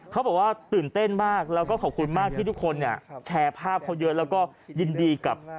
เขาก็บอกว่าตื่นเต้นมากเราก็ขอบคุณที่ทุกคนแชร์ภาพเพราะยืนแล้วก็ยินดีกับ